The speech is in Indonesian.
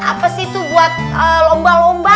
apa sih tuh buat lomba lomba